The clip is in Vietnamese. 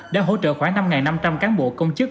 đã hỗ trợ khoảng năm năm trăm linh cán bộ công chức